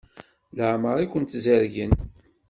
Leɛmeṛ i kent-zerrgen?